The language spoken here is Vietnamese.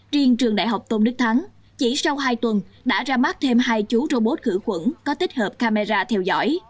riêng trường đại học tôn đức thắng chỉ sau hai tuần đã ra mắt thêm hai chú robot khử khuẩn có tích hợp camera theo dõi